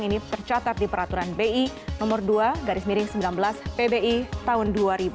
ini tercatat di peraturan bi nomor dua garis miring sembilan belas pbi tahun dua ribu dua